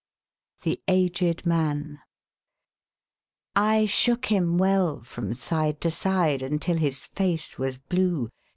63 THE AGED MAN I SHOOK him well from side to side Until his face was blue.